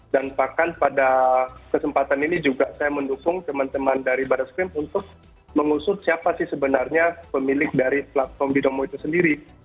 dan bahkan pada kesempatan ini juga saya mendukung teman teman dari barat scream untuk mengusut siapa sih sebenarnya pemilik dari platform binomo itu sendiri